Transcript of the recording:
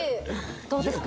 どうですか？